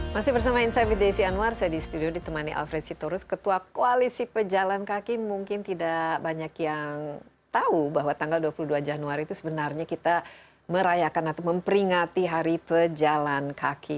masih bersama insight with desi anwar saya di studio ditemani alfred sitorus ketua koalisi pejalan kaki mungkin tidak banyak yang tahu bahwa tanggal dua puluh dua januari itu sebenarnya kita merayakan atau memperingati hari pejalan kaki